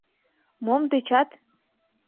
— Мом тӧчат?